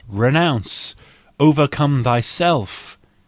Renounce! Overcome thyself!